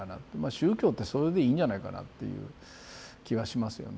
宗教ってそれでいいんじゃないかなっていう気はしますよね。